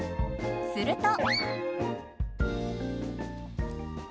すると。